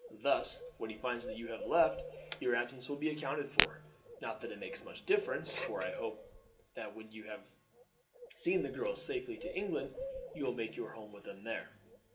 Thus when he finds that you have left, your absence will be accounted for; not that it makes much difference, for I hope that when you have seen the girls safely to England you will make your home with them there."